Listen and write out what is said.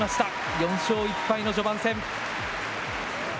４勝１敗の序盤戦。